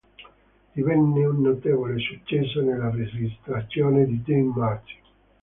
Divenne un notevole successo nella registrazione di Dean Martin.